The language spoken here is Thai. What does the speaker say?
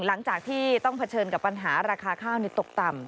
หลังจากที่ต้องเผชิญกับปัญหาราคาข้าวตกต่ำ